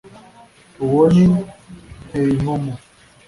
uwo ni nteyikomo